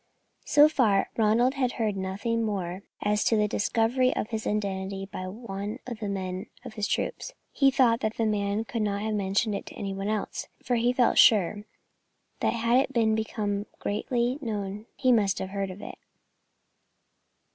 So far, Ronald had heard nothing more as to the discovery of his identity by one of the men of his troop. He thought that the man could not have mentioned it to any one else, for he felt sure that had it become generally known he must have heard of it.